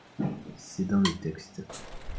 C’est dans le texte